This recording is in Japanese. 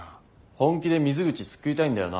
本気で水口救いたいんだよな？